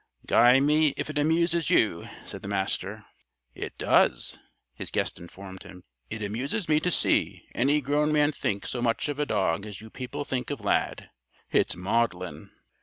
"Guy me if it amuses you," said the Master. "It does," his guest informed him. "It amuses me to see any grown man think so much of a dog as you people think of Lad. It's maudlin."